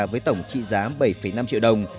với tổng trị giá bảy năm triệu đồng